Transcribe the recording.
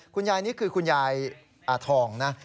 คุณยายนี่คือคุณยายอาทองนะ